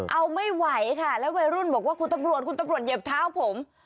เอาไม่ไหวค่ะแล้ววัยรุ่นบอกว่าคุณตำรวจคุณตำรวจเหยียบเท้าผม